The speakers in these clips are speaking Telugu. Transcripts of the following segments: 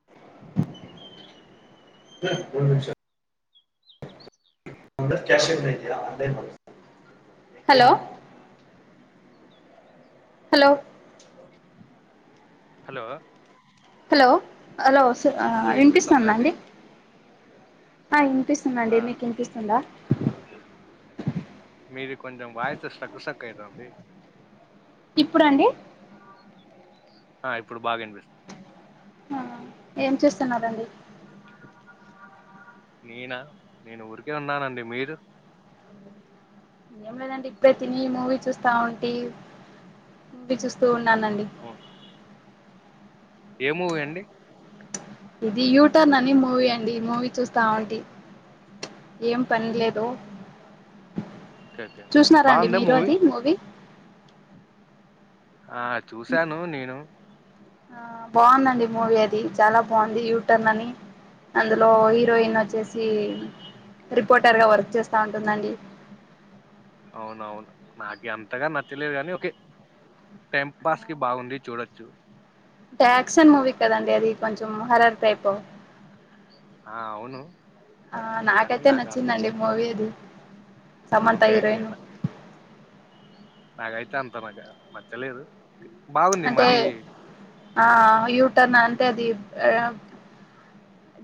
[unintelligible] రెండు నిమిషాల్. [unintelligible] Hello. Hello. Hello. Hello. Hello ఓసు ఆ హలో వినిపిస్తుందా ఇన్పిసున్నా అండి ఆ ఆ ఇన్పిస్తున్నాండి మీకు కిన్పిస్. ఉందా. మీది కొంచెం వాయిసు స్ట్రక్ స్ట్రక్ అయితాంది. ఇప్పుడా అండి. ఆ ఇప్పుడు బాగా ఇన్పిస్. ఆ ఏం చేస్తున్నారండి. నేనా నేను ఊరికే ఉన్నానండి మీరు. ఏం లేదండి ఇప్పుడే తిని మూవీ చూస్తా ఉంటి మూవీ చూస్తూ ఉన్నానండి. ఉ. ఏ మూవీ అండి. ఇది యూటర్న్ అని మూవీ అండి మూవీ చూస్తా ఉంటి. ఏం పన్ లేదు ఓకేఓకే చూస్నారా అండి బాగుందా మీరు అది మూవీ. ఆ చూసాను నేను. ఆ. బాందండి మూవీ అయి. ది చాలా బాంది యూటర్న్ అని అందులో హీరోయిన్ వచ్చేసి. రిపోర్టర్ గా వర్క్ చేస్తా ఉంటుందండి. అవునవున్ నాకి అంతగా నచ్చలేదు గానీ ఒకే. టైం పాస్ కి బాగుంది చూడొచ్చు. ట్యాక్షన్ మూవీ కదండి అది కొంచెం హార్రర్ టైపు. ఆ అవును. ఆ బట్ కానీ నాకైతే నాకు అన్- నచ్చిందండి మూవీది. ఓకే ఓకేనా నాకైతే అంతా నాకే నచ్చలేదు. బాగుంది అంటే మరి ఆ యూటర్న్ అంటే అది ఆ.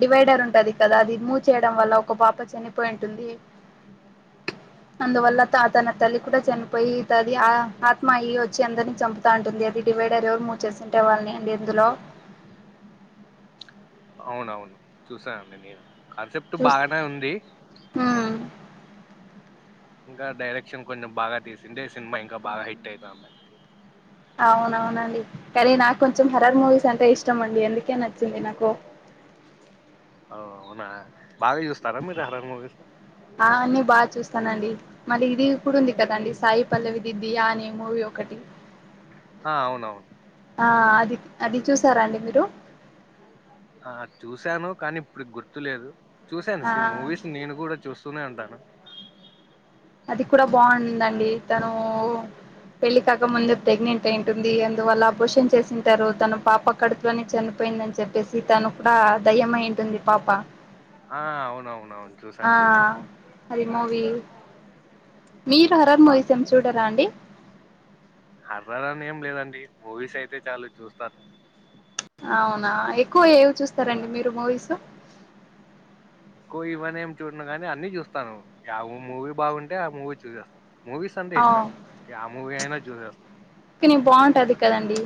డివైడర్ ఉంటాది కదా అది మూవ్ చేయడం వల్ల ఒక పాప చనిపోయి ఉంటుంది. అందువల్ల త తన తల్లి కూడా చనిపోయి తది ఆ ఆత్మయ్య వచ్చి అందరిని చంపు. తా ఉంటుంది అది డివైడర్ ఎవరు మూవ్ చేసింటే వాళ్ళని అండి ఇందులో. అవునవును చూసానండి నేను కాన్సెప్ట్ చూస్ బాగానే ఉంది. ఉమ్ ఇంకా డైరెక్షన్ కొంచెం బాగా తీసింటే సినిమా ఇంకా బాగా హిట్ అయితండ్యా. అవునవునండి కానీ నాకు కొంచెం హార్రర్ మూవీస్ అంటే ఇష్టం అండి అందుకే నచ్చింది నాకు. అవునా బాగా చూస్తారా మీరు హర్రర్ మూవీసు. ఆ అన్నీ బాగా చూస్తానండి. మళ్లీ ఇది ఇప్పుడు ఉంది కదండి సాయి పల్లవిది దియా అనే మూవీ ఒకటి. ఆ అవునవును. ఆ అది అది చూసారా అండి మీరు ఆ చూశాను కానీ ఇప్పుడు గుర్తులేదు చూసాను ఆ శ మూవీస్ నేను కూడా చూస్తూనే ఉంటాను అది కూడా బావుంది దండి తను పెళ్లి కాక ముందే ప్రెగ్నెంట్ అయింటుంది అందువల్ల అబార్షన్ చేసింటారు తన పాప కడుపులోనే చనిపోయిందని చెప్పేసి తను కూడా దయ్యం అయ్యుంటుంది పాప ఆ అవునవునవును ఆ చూసాను చూసాను అది మూవీ మీరు హరర్ బా మూవీస్ ఏం చూడరా అండి హర్రర్ అని ఏం లేదండి మూవీస్ అయితే చాలు చూస్తాను అవునా ఎక్కువ ఏవి చూస్తారండి మీరు మూవీస్ ఎక్కువ ఇవన్న ఏం చూడను గాని అన్ని చూస్తాను యా మూవీ బాగుంటే ఆ మూవీ చూసేస్తాను మూవీస్ అంటే ఆ ఇష్టం యా మూవీ అయినా చూసేస్తాం కానీ బాగుంటాది కదండి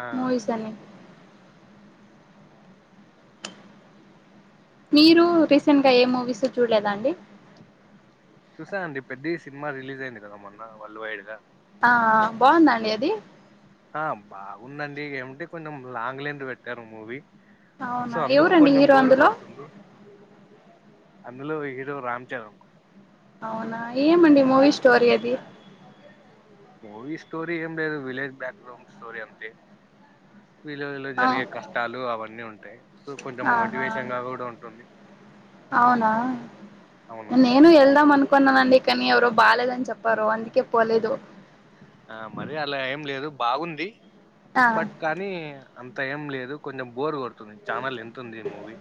ఆ మూవీస్ అన్ని మీరు రీసెంట్గా ఏ మూవీస్ చూడలేదా అండి చూసా అండి పెద్ది సినిమా రిలీజ్ అయింది కదా మొన్న వరల్డ్ వైడ్ గా ఆ బాగుందా అండి అది ఆ బాగుందండి ఏంమన్టే కొంచెం లాంగ్ లెంత్ పెట్టారు మూవీ సో అవునా అందుకు ఎవరండి కొంచెం హీరో బోరు అందులో కొడుతుంది అందులో హీరో రామ్ చరణ్ అవునా ఏమండి మూవీ స్టోరీ అది మూవీ స్టోరీ ఏం లేదు విలేజ్ బ్యాక్గ్రౌండ్ స్టోరీ అంతే విలేజ్ లో ఆ జరిగే కష్టాలు అవన్నీ ఉంటాయి సో కొంచెం ఆహా మోటివేషన్ గా కూడా ఉంటుంది అవునా అవును నేను వెళ్దాం అనుకున్నానండి కాని ఎవరో బాలేదని చెప్పారు అందుకే పోలేదు ఆ మరి అలా ఏం లేదు బాగుంది ఆ బట్ కా కనీ అంత ఏం లేదు కొంచెం బోర్ కొడుతుంది చానా లెంత్ ఉంది మూవీ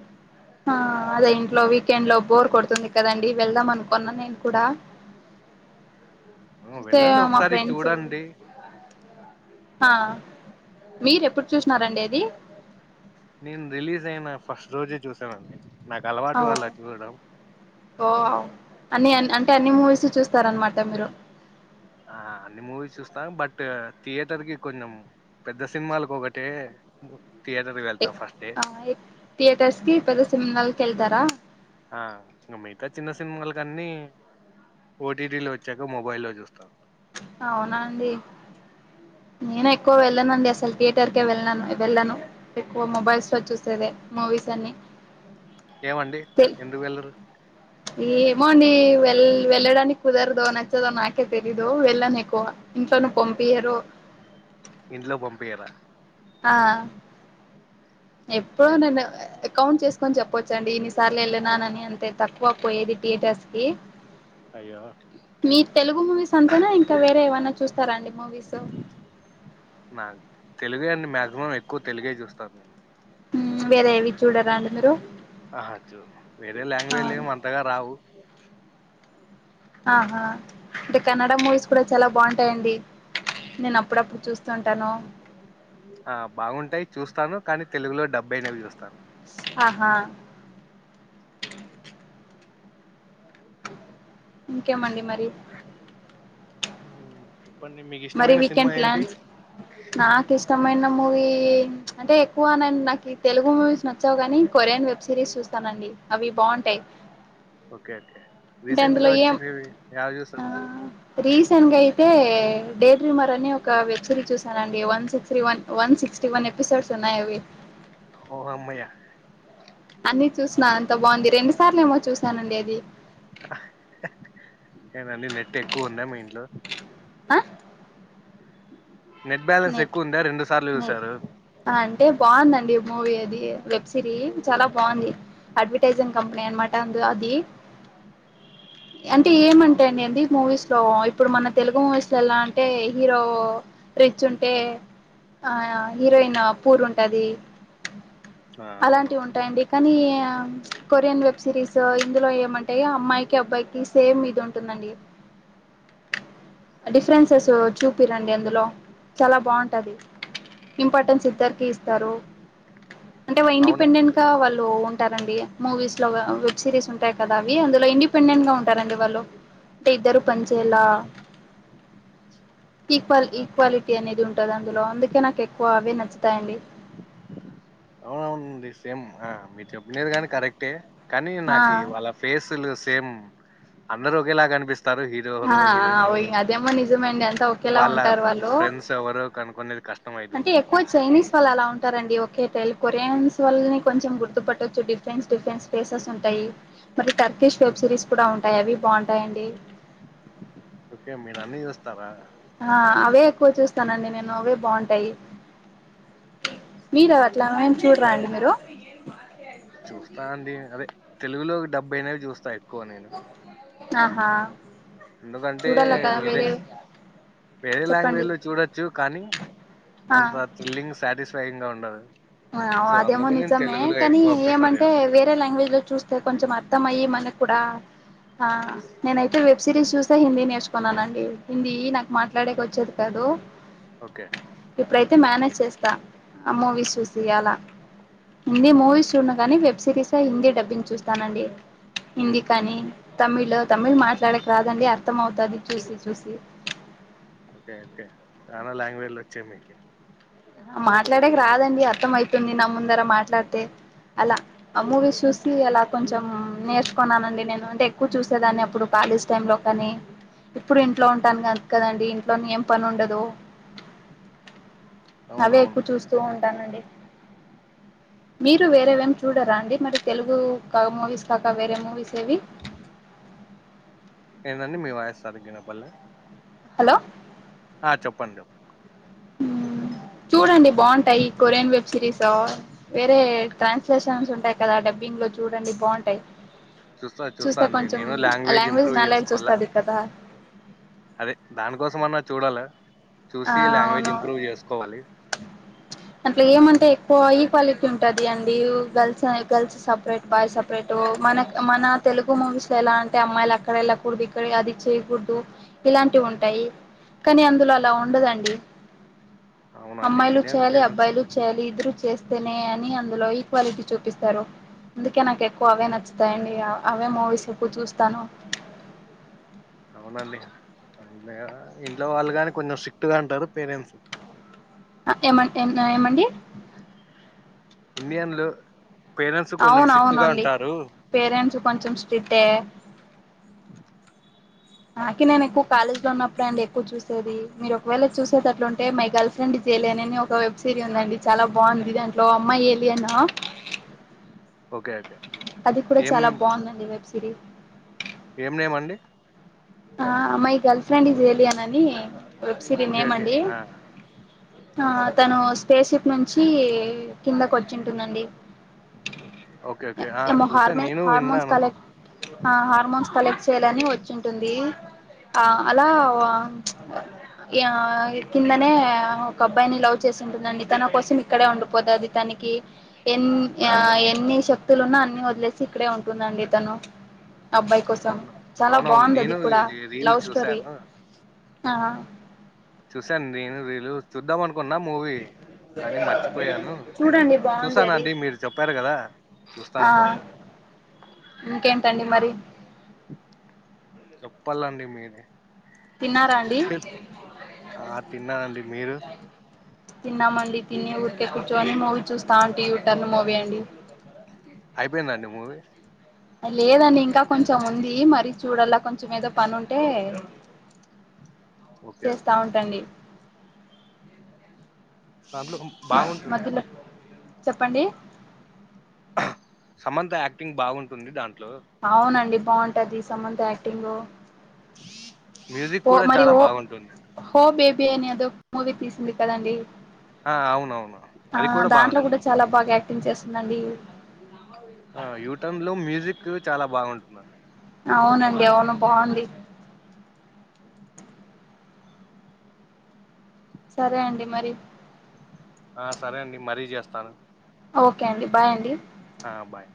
ఆ అదే ఇంట్లో వీకెండ్ లో బోర్ కొడుతుంది కదండి వెళ్దాం అనుకున్నా నేను కూడా ఆ, అయితే వెళ్ళండి మా ఒకసారి ఫ్రెండ్స్ చూడండి ఆ మీరు ఎప్పుడు చూసినారండి ఇది నేను రిలీజ్ అయిన ఫస్ట్ రోజే చూశానుండి నాకు ఓ అలవాటు అలా చూడడం ఓ అన్ని అంటే అన్ని మూవీస్ చూస్తారన్నమాట మీరు ఆ అన్ని మూవీస్ చూస్తాం బట్ థియేటర్ కి కొంచెం పెద్ద సినిమాలకు ఒకటే థియేటర్లకి వెళ్తాను థియేటర్స్ కి పద్ద సినిమాల కేళ్తారా ఇంక మిగతా చిన్న సినిమలుకన్ని ఓటీటీలో వచ్చాక మొబైల్లో చూస్తాం అవునా అండి నేను ఎక్కువ వెళ్ళను అండి అసలు థియేటర్ కే వెళ్ళను వెళ్ళను ఎక్కువ మొబైల్స్ లో చూస్తేదే మూవీస్ అన్ని ఏమండి ఎందుకు వెళ్లరు ఈ ఏమోండి వెల్ వెల్లడానికి కుదరదు నచ్చదు నాకే తెలీదు వెళ్ళనేకువ ఇంట్లోను పంపియారు ఇంట్లో పంపియారా ఆ ఎప్పుడు నేను కౌంట్ చేసుకొని చెప్పొచ్చండి ఇన్నిసార్లు వెళ్ళనానని అంతే తక్కువ పోయేది థియేటర్స్కి అయ్యో మీ తెలుగు మూవీస్ అంతేన ఇంక వేరే ఏవన్నా చూస్తారాండి మూవీస్ నా తెలుగు అండి మాక్సిమం ఎక్కువ తెలుగ చూస్తాను నేను ఉమ్ వేర ఏవి చూడరాండి మీరు అహా చూన్ను వేరే లాంగ్వేజ్ లేమ అంతగా రావు ఆహా అంటే కన్నడ మూవీస్ కూడా చాలా బాగుంటాయండి ఉమ్ నేను అప్పుడప్పుడు చూస్తూ ఉంటను ఆ బాగుంటయి చూస్తాను కానీ తెలుగులో డబ్బుయినవి చూస్తాను ఆహా ఇంకేమండి మరి ఉమ్ చెప్పండి మీకిష్టమైన సినిమా ఏంటి నాకిష్టమైన మూవీ అంటే ఎక్కువనం నాకు ఈ తెలుగు మూవీస్ నాకు చ్చవ్గానీ కొరియన్ వెబ్ సిరీస్ చూస్తానండి అవి బాగుంటయి ఓకే అండి రీసెంట్గా అందులో వచ్చినవి ఏడ చూసారు రీసెంట్గా అయితే డేడ్ రీమర్ అని ఒక వెబ్ సిరీస్ చూసానండి one six three one one sixty one episodes ఉన్నాయావి ఓ అమ్మయ్య అన్ని చూసిన అంత బాగుంది రెండు సార్లు ఏమో చూసానండి అది ఎందండి నెట్ ఎక్కువ ఉందా మీ ఇంట్లో ఆ నెట్ బ్యాలెన్స్ ఎక్కువ ఉందా రెండు సార్లు నెట్ చూసారు అంటే బాగుందండి మూవీ అది వెబ్ సిరీ చాలా బాగుంది అడ్వర్టైజం కంపనీ అనమటాద అది అంటే ఏమంటాండి అంది మూవీస్లో ఇప్పుడు మన తెలుగు మయసులో ఎలా అంటే హీరో రిచ్ ఉంటే ఆ హీరోయిను పూర్ ఉంటది ఆ అవును అలాంటివి ఉంటయండి కానీ కొరియన్ వెబ్ సిరీస్ ఇందులో ఏమంటే అమ్మాయికి అబ్బాయికి సేమ్ ఇది ఉంటుందండి డిఫరెన్సెస్ చూపిరండి అందులో చాలా బాగుంటది ఇంపార్టెన్స్ ఇద్దరికి ఇస్తారు అంటే వో అవును ఇండిపెండెంట్ త వాళ్ళు ఉంటారండి మూవీస్లో గా వెబ్ సిరీస్ ఉంటాయి కదా అవి అందులో ఇండిపెండెంట్గా ఉంటారండి వాళ్ళు టే ఇద్దరు పనించేలా ఈక్వల్ ఆ, ఈక్వాలి టి అనేది ఉంటుంది అందులో అందుకే నాకు ఎక్కువ అవే నచ్చుతయండి అవునవునండి సేమ్ ఆ మీరు చెప్పినది కని కరెక్టే కానీ ఆ నాకు వాళ్ళ ఫేసులు సేమ్ అందరుూ ఒకేలా కనిపిస్తారు ఆ దేవరో హిరోఇన్ ఎవరో అదేమో నిజమే అండి అంతా ఒకేలా వాళ్ళ ఉంటారు వాళ్ళు ఫ్రెండ్స్ తేవరో కనుకునేది కష్టం అయితుంది మాత్ చైనస్ వల్లలా ఉంటారండి ఒకఓే టై కొరియన్స్ వాల్ళని కొంచం గుర్తుపట్టవచ్చు డిఫెన్స్ డిఫెన్స్ ప్లేసెస్ ఉంటయి మరి టర్కిష్ వెబ్ సిరీస్ కూడా ఉంటయి అవి బావున్ టాయండి ఓకే మీరన్నీ చూస్తారా ఆ అవే ఎక్కువ చూస్తానండి నేను అవే బాగుంటయి మీరువట్ల ఏమి చూడరా అండి మీరు చూస్తా అండి అదే తెలుగులో డబ్బైయినవి చూస్తా ఎక్కువ నెన్ ఆహా ఎందుకంటే చూడాల కదా వేరే వేరే లాంగ్వేజ్ చెప్పండి లో చూడొచ్చు కానీ ఆ అంత ఫీల్లింగ్ సాటిస్ఫైయింగ్ గా ఉండదు సో అదేమో అందుకు నేను నిజమే తెలుగులో కానీ ఎక్కువ ప్రిఫర్ ఏమంటేే చేస్తా వేరే లాంగ్వేజ్ లో చూస్తే కొంచెం అర్థం అయ్యి మనకు కూడా ఆ నేనైతే వెబ్ సిరీస్ చూస్తే హిందీ నేర్చుకున్నానండి హిందీ నాకు మాట్లాడేకి వచ్చేది కాదు ఓకే ఇప్పుడైతే మేనేజ్ చేస్తా ఆ మూవీస్ చూ సి అలా హిందీ మూవీస్ చూడను గాని వెబ్ సిరీస్ ఏ హిందీ డబ్బింగ్ చూస్తానండి హిందీ ఉమ్, కానీ తమిళ్ తమిళ్ మాట్లాడక రాదండి అర్థం అవుతది చూసి చూసి ఓకే ఓకే చనా లాంగ్వేజ్ లో వచ్చాయి మీకి మాట్లాడేకి రాదండి అర్థం అవుతుంది నా ముందర మాట్లాడితే అలా ఆ మూవీస్ చూసి అలా కొంచెం నేర్చుకున్నానండి నేను అంటే ఎక్కువ చూసేదాన్ని అప్పుడు కాలేజ్ టైమ్ లో కానీ ఇప్పుడు ఇంట్లో ఉంటాను అంత కదండి ఇంట్లో ఏం పని ఉండదు అవే ఎక్కువ అవునవును చూస్తూ ఉంటానండి మీరు వేరేవి ఏం చూడరా అండి మరి తెలుగు మూవీస్ కాక వేరే మూవీస్ ఏవి ఏందండి మీ వాయిస్ సరిగ్గా వినపల్లె హలో ఆ చెప్పండి చూడండి బాగుంటాయి కొరియన్ వెబ్ సిరీస్ వేరే ట్రాన్స్లేషన్స్ ఉంటాయి కదా డబ్బింగ్ లో చూడండి బాగుంటాయి చూస్తా అండి కొంచెం నేను లాంగ్వేజ్ ఇంప్రూవ్ నాలెడ్జ్ చేసుకోవాలా వస్తది కదా అదే దానికోసం అన్నా చూడాలా చూసి లాంగ్వేజ్ ఆవును ఇంప్రూవ్ చేసుకోవాలి అట్లా ఏమంటే ఎక్కువ ఈక్వాలిటీ ఉంటది అండి girls girls separate boy separate మన మన తెలుగు మూవీస్ లో ఎలా అంటే అమ్మాయిలు అక్కడ వెళ్ళకూడదు ఇక్కడ అది చేయకూడదు ఇలాంటివి ఉంటాయి కానీ అందులో అలా ఉండదండి అవునండి అమ్మాయిలు ఇండియన్ చెయ్యాలి పేరెంట్స్ అబ్బాయిలు చేయాలి ఇద్దరు చేస్తేనే అని అందులో ఈక్వాలిటీ చూపిస్తారు అందుకే నాకు ఎక్కువ అవే నచ్చుతాయండి అవే మూవీస్ ఎక్కువ చూస్తాను అవునండి అ ఇంట్లో వాళ్ళు కాని కొంచెం స్ట్రిక్ట్ గా ఉంటారు పేరెంట్స్ ఏమ ఏమండి ఇండియన్ లో పేరెంట్స్ కొంచెం అవును స్ట్రిక్ట్ గా అవునండి ఉంటారు పేరెంట్స్ కొంచెం స్టిట్టే నాకే నేను ఎక్కువ కాలేజ్ లో ఉన్నప్పుడు అండి ఎక్కువ చూసేది మీరు ఒకవేళ చూసేది అట్లుంటే మై గల్ఫ్ ఫ్రెండ్ జెలియన్ అని ఒక వెబ్ సిరీ ఉందండి చాలా బాగుంది దాంట్లో అమ్మా ఏలియన్ ఓకే ఓకే అది కూడా ఏం చాలా బాగుందండి వెబ్ సిరీస్ ఏం నేమ్ అండి ఆ my girl friend is alien అని వెబ్సిరి ఓకే నేమ్ ఓకే అండి ఆ ఆ తను స్పేస్ షిప్ నుంచి కిందకి వచ్చింటుందండి ఓకే ఓకే ఆ ఏమో చూసా హార్మే నేను హార్మోన్స్ విన్నాను కలెక్ట్ ఆ హార్మోన్స్ కలెక్ట్ చేయాలని వచ్చింటుంది ఆ అలా యా కిందనే ఒక అబ్బాయిని లవ్ చేసి ఉంటుందండి తన కోసం ఇక్కడే ఉండిపోతాది తనికి ఎన్ ఎన్ని శక్తులు ఉన్నా అన్ని వ దిలేసి ఇక్కడే ఉంటుందండి తను అబ్బాయి కోసం అవును చాలా అవునవును బాగుంది అది నేను కూడా ఇది రీల్ లవ్ స్టోరీ చూసాను ఆ చూసాను నేను రీలు చూద్దాం అనుకున్నా మూవీ కానీ మర్చిపోయాను చూడండి బాగుంది అది చూస్తానండి మీరు చెప్పారు కదా చూస్తాను ఆ పక్కా ఇంకేంటండి మరి చెప్పాలండి మీరే తిన్నారా అండి తిన్ ఆ తిన్నానండి మీరు తిన్నామండి తిని ఊరికే కూర్చొని మూవీ చూస్తాను యూటర్లు మూవీ అండి అయిపోయిందండి మూవీ లేదండి ఇంకా కొంచెం ఉంది మరి చూడల్లా కొంచెం ఏదో పని ఉంటే ఓకే చేస్తా ఓకే ఉంటండి తార్లు హుం మ మధ్యలో చెప్పండి సమంత యాక్టింగ్ బాగుంటుంది దాంట్లో అవునండి బాగుంటది సమంత యాక్టింగ్ మ్యూజిక్ పో కూడా మరి చాలా ఓ బాగుంటుంది హో బేబీ అని అదో మూవీ తీసింది కదండి ఆ అవునవును ఆ అది దాంట్లో కూడా బాగుంటుంది చాలా బాగా యాక్టింగ్ చేస్తుందండి ఆ యూటర్న్ లో మ్యూజిక్ చాలా బాగుంటుంది అవునండి అవును బాగుంది సరే అండి మరి ఆ సరే అండి మరీ చేస్తాను ఓకే అండి బాయ్ అండి హా బాయ్